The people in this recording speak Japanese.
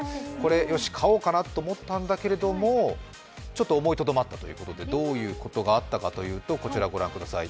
よし買おうかなと思ったんだけれどもちょっと思いとどまったということでどういうことがあったかというと、こちら御覧ください。